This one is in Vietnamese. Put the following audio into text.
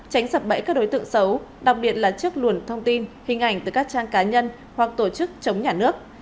tránh sập bẫy các đối tượng xấu đặc biệt là trước luồng thông tin hình ảnh từ các trang cá nhân hoặc tổ chức chống nhà nước